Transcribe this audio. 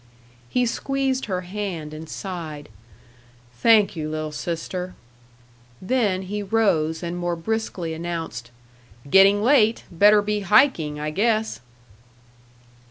He squeezed her hand and sighed, "Thank you, little sister." Then he rose and more briskly announced, "Getting late better be hiking, I guess."